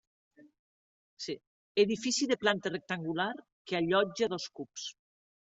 Edifici de planta rectangular que allotja dos cups.